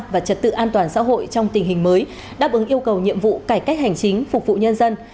và trật tự an toàn xã hội trong tình hình mới đáp ứng yêu cầu nhiệm vụ cải cách hành chính phục vụ nhân dân